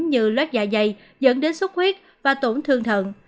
như lết dạ dày dẫn đến sốt huyết và tổn thương thận